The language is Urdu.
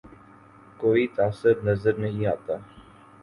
کوئی تعصب نظر نہیں آتا